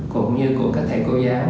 cũng như của các thầy cô giáo